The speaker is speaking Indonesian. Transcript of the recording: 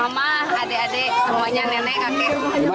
mamah adik adik semuanya nenek kakek